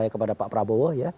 kepada pak prabowo